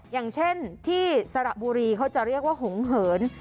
อย่างเช่นที่สระบุรีเขาจะเรียกว่าหงเหิน